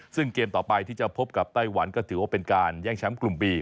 ซึ่งเกมต่อไปที่จะพบกับไต้หวันก็ถือว่าเป็นการแย่งแชมป์กลุ่มบี